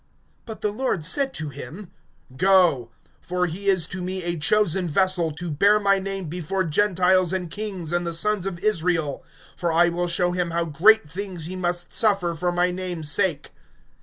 (15)But the Lord said to him: Go; for he is to me a chosen vessel, to bear my name before Gentiles, and kings, and the sons of Israel; (16)for I will show him how great things he must suffer for my name's sake.